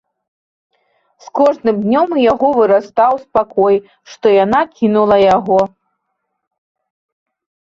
З кожным днём у яго вырастаў спакой, што яна кінула яго.